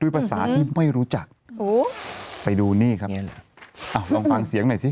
ภาษาที่ไม่รู้จักไปดูนี่ครับอ้าวลองฟังเสียงหน่อยสิ